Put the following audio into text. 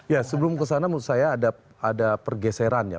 ya sebelum kesana menurut saya ada pergeseran ya